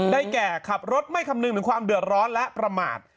แก่ขับรถไม่คำนึงถึงความเดือดร้อนและประมาท